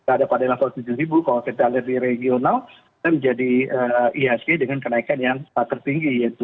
ada pada level tujuh kalau kita lihat di regional kita menjadi ihsg dengan kenaikan yang tertinggi yaitu